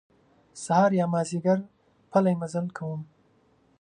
سهار یا مازیګر پلی مزل کوم.